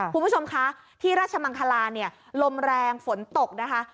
คุณผู้ชมคะที่ราชมังคลาเนี่ยลมแรงฝนตกนะคะ